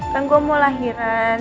kan gue mau lahiran